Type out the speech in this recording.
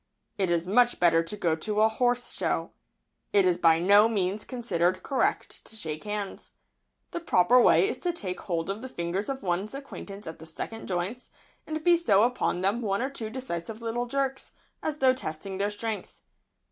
It is much better to go to a horse show. It is by no means considered correct to shake hands. The proper way is to take hold of the fingers of one's acquaintance at the second joints, and bestow upon them one or two decisive little jerks, as though testing their strength.